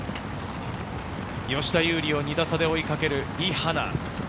吉田優利を２打差で追いかける、リ・ハナ。